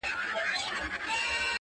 • ډېوې د اُمیدنو مو لا بلي دي ساتلي..